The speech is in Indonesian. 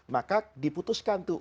maka diputuskan tuh